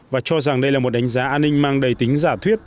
và cho rằng đây là một đánh giá an ninh mang đầy tính giả thuyết